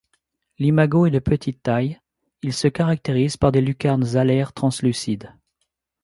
L'imago est de petite taille, il se caractérise par des lucarnes alaires translucides.